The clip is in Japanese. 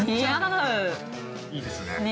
◆いいですね。